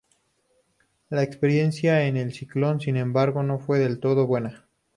La experiencia en el "Ciclón", sin embargo, no fue del todo buena.